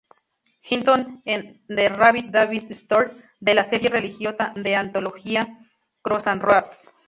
Hinton en "The Rabbi Davis Story" de la serie religiosa de antología, "Crossroads".